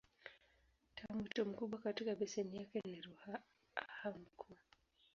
Tawimto mkubwa katika beseni yake ni Ruaha Mkuu.